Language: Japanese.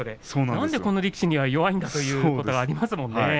なんでこの力士には弱いんだということもありますよね。